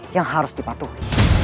yang harus dipatuhi